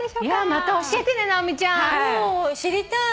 また教えてね直美ちゃん。知りたい。